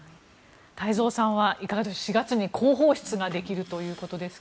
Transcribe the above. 太蔵さんはいかがでしょう４月に広報室ができるということですが。